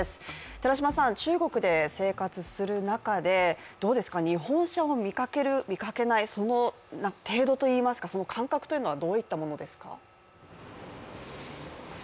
寺島さん、中国で生活する中でどうですか日本車を見かける、見かけない、その程度感覚というのはどういったものですか。